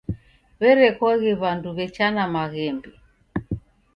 W'erekoghe w'andu w'echana maghembe.